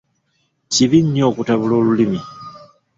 Kibi nnyo okutabula olulimi.